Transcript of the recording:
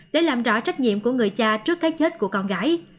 để làm rõ trách nhiệm của người cha trước cái chết của con gái